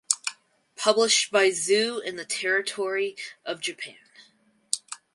Published by Zoo in the territory of Japan.